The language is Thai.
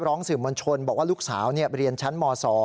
ร้องสื่อมวลชนบอกว่าลูกสาวเรียนชั้นม๒